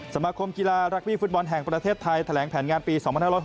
สมาคมกีฬารักบี้ฟุตบอลแห่งประเทศไทยแถลงแผนงานปี๒๕๖๖